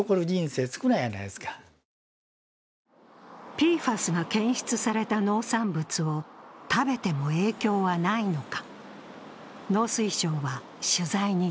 ＰＦＡＳが検出された農産物を食べても影響はないのか。